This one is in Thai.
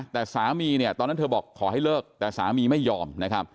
แต่สามีตอนนั้นเธอบอกขอให้เลิกแต่สามีไม่ยอม